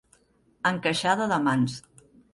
Encaixada de mans.